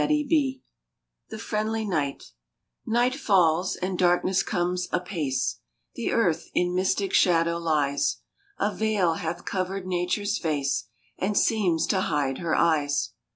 [ 58] THE FRIENDLY NIGHT NIGHT falls, and darkness comes apace; The earth in mystic shadow lies; A veil hath covered Nature s face, And seems to hide her eyes.